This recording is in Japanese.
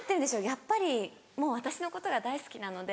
やっぱりもう私のことが大好きなので。